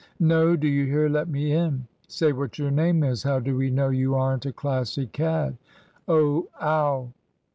"No. Do you hear? Let me in!" "Say what your name is. How do we know you aren't a Classic cad? Oh! ow!"